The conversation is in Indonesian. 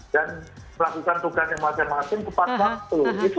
dan melakukan tugas yang masing masing ke pasang itu